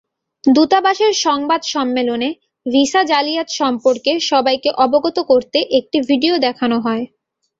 দূতাবাসের সংবাদ সম্মেলনে ভিসা জালিয়াত সম্পর্কে সবাইকে অবগত করতে একটি ভিডিও দেখানো হয়।